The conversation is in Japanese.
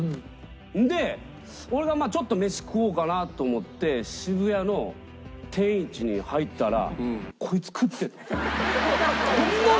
それで俺がまあちょっと飯食おうかなと思って渋谷の天一に入ったらこいつ食ってるの。